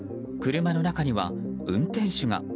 車の中には運転手が。